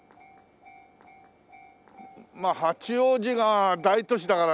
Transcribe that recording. まあ八王子が大都市だからね。